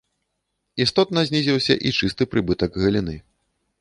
Істотна знізіўся і чысты прыбытак галіны.